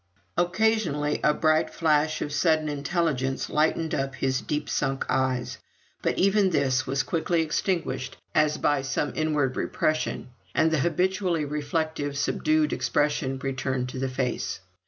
Occasionally a bright flash of sudden intelligence lightened up his deep sunk eyes, but even this was quickly extinguished as by some inward repression, and the habitually reflective, subdued expression returned to the face.